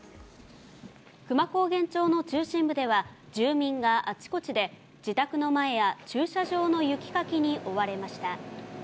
久万高原町の中心部では、住民があちこちで自宅の前や駐車場の雪かきに追われました。